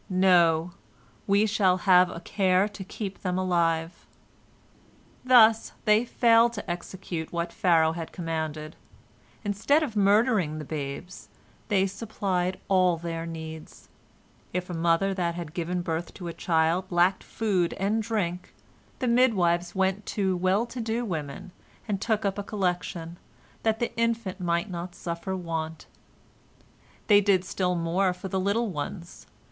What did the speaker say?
No, we shall have a care to keep them alive." Thus they failed to execute what Pharaoh had commanded. Instead of murdering the babes, they supplied all their needs. If a mother that had given birth to a child lacked food and drink, the midwives went to well to do women, and took up a collection, that the infant might not suffer want. They did still more for the little ones.